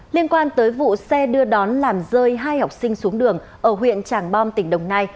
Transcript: liên quan tới vụ xe đưa đón làm rơi hai học sinh xuống đường ở huyện tràng bom tỉnh đồng nai